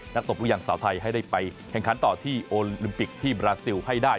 ตบลูกยางสาวไทยให้ได้ไปแข่งขันต่อที่โอลิมปิกที่บราซิลให้ได้